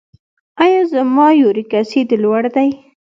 ایا زما یوریک اسید لوړ دی؟